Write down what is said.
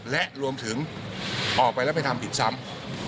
และรวมถึงออกไปแล้วไปทำผิดซ้ำ